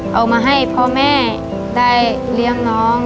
เอามาให้พ่อแม่ได้เลี้ยงน้อง